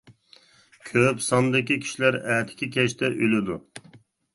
كۆپ ساندىكى كىشىلەر ئەتىكى كەچتە ئۆلىدۇ.